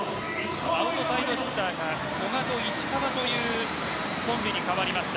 アウトサイドヒッターが古賀と石川というコンビに変わりました。